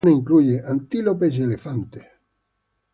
La fauna de esta zona incluye antílopes y elefantes.